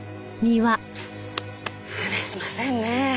話しませんね。